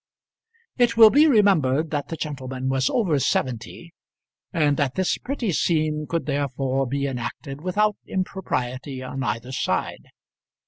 It will be remembered that the gentleman was over seventy, and that this pretty scene could therefore be enacted without impropriety on either side.